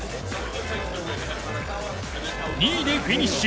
２位でフィニッシュ。